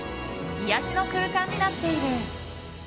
癒やしの空間になっている。